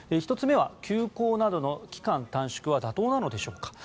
１つ目は休校などの期間短縮は妥当なのでしょうか。